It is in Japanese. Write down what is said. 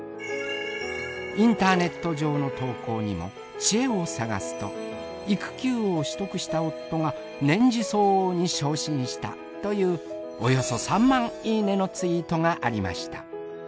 インターネット上の投稿にもチエを探すと育休を取得した夫が年次相応に昇進したというおよそ３万いいねのツイートがありました。